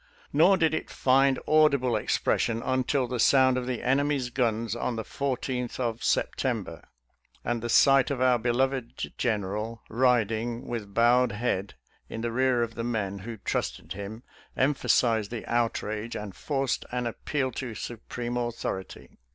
Nor did it find audible expression until the sound of the enemy's guns on the 14th of September, and the sight of our beloved General riding, with bowed head, in the rear of the men who trusted him, emphasized the outrage, and forced an ap peal to supreme authority.